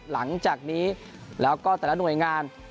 หลังจากนี้แล้วก็แต่ละหน่วยงาน